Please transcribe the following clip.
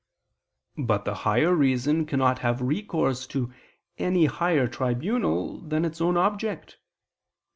But the higher reason cannot have recourse to any higher tribunal than its own object.